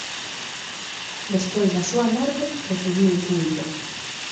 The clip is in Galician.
Despois da súa morte recibiu culto.